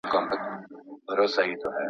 د هغې ښځي کتاب په موټر کي پاته سو.